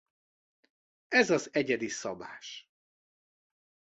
Ez az egyedi szabás.